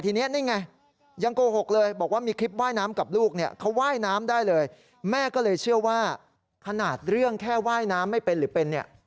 กลายเป็นประโยคที่คำว่าแม่เนี่ย